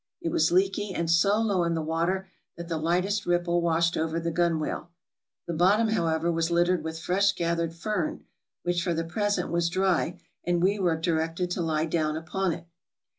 It was leaky, and so low in the water that the lightest ripple washed over the gunwale. The bottom, however, was littered with fresh gathered fern, which for the present was dry, and we were directed to lie down upon it.